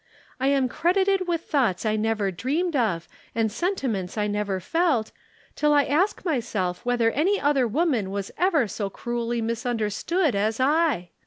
I am credited with thoughts I never dreamed of and sentiments I never felt, till I ask myself whether any other woman was ever so cruelly misunderstood as I?